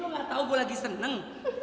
gak tau gue lagi seneng